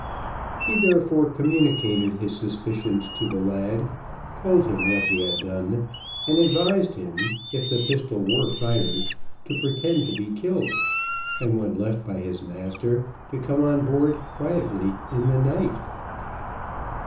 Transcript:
He, therefore, communicated his suspicions to the lad, told him what he had done, and advised him, if the pistol were fired, to pretend to be killed, and when left by his master, to come on board quietly in the night.